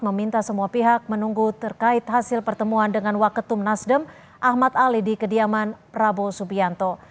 meminta semua pihak menunggu terkait hasil pertemuan dengan waketum nasdem ahmad ali di kediaman prabowo subianto